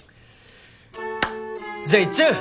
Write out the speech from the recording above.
じゃあ行っちゃう？